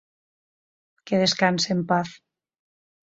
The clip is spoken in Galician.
Que descanse en paz.